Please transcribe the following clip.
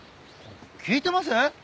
聞いてます？